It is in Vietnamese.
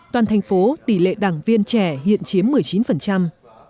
toàn thành phố tỷ lệ đảng viên trẻ hiện chiếm một mươi chín